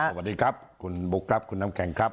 สวัสดีครับคุณบุ๊คครับคุณน้ำแข็งครับ